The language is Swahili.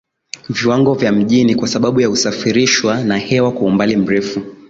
viwango vya mijini kwa sababu ya husafirishwa na hewa kwa umbali mrefu